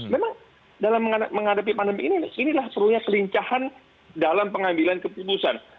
memang dalam menghadapi pandemi ini inilah serunya kelincahan dalam pengambilan keputusan